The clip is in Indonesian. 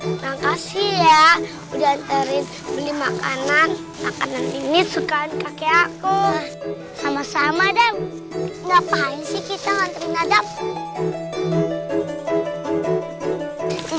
makasih ya udah tarik beli makanan makanan ini sukaan kakek aku